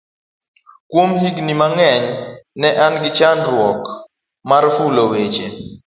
kuom higni mang'eny ne an gi chandruok mar fulo weche